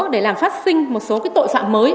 để làm phát sinh một số tội phạm mới